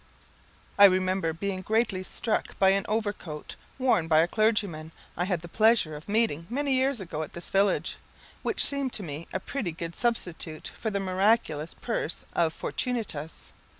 I remember being greatly struck by an overcoat, worn by a clergyman I had the pleasure of meeting many years ago at this village, which seemed to me a pretty good substitute for the miraculous purse of Fortunatus.